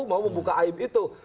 mau membuka aib itu